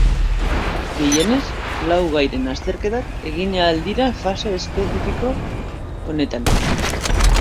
Gehienez, lau gairen azterketak egin ahal dira fase espezifiko honetan.